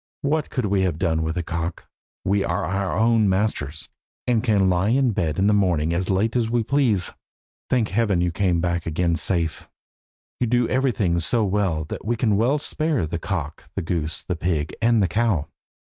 What could we have done with a cock? We are our own masters, and can lie in bed in the morning as late as we please. Thank Heaven you have come back again safe. You do everything so well that we can well spare the cock, the goose, the pig, and the cow."